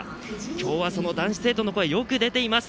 今日は男子生徒の声よく出ています。